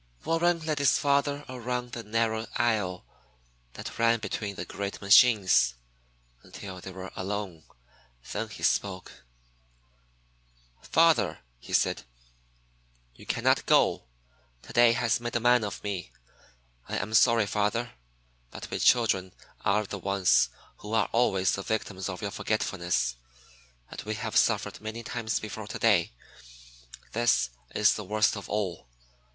Warren led his father around the narrow aisle that ran between the great machines, until they were alone. Then he spoke. "Father," he said, "you cannot go. Today has made a man of me. I am sorry, father, but we children are the ones who are always the victims of your forgetfulness, and we have suffered many times before today. This is the worst of all.